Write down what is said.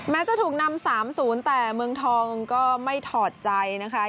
จะถูกนำ๓๐แต่เมืองทองก็ไม่ถอดใจนะคะ